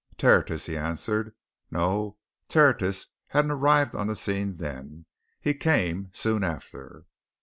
"Tertius?" he answered. "No Tertius hadn't arrived on the scene then. He came soon after."